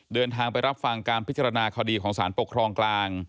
เดินทางไปรับฟังการพิจารณาคดีของสารปกครองกลาง